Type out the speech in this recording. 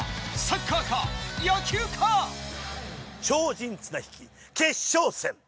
超人綱引き決勝戦。